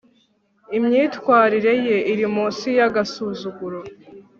imyitwarire ye iri munsi yagasuzuguro